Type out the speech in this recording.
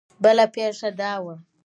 بله پېښه دا وه.